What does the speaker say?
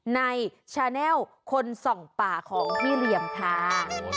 ในชาแนลคนส่องป่าของพี่เหลี่ยมค่ะ